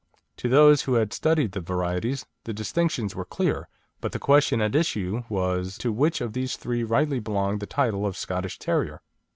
To those who had studied the varieties, the distinctions were clear; but the question at issue was to which of the three rightly belonged the title of Scottish Terrier?